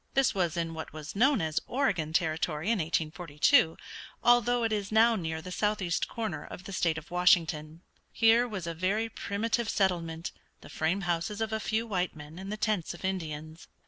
This was in what was known as Oregon Territory in 1842, although it is now near the southeast corner of the state of Washington. Here was a very primitive settlement, the frame houses of a few white men and the tents of Indians.